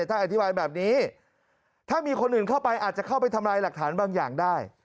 ถ้าอธิบายแบบนี้ถ้ามีคนอื่นเข้าไปอาจจะเข้าไปทำลายหลักฐานบางอย่างได้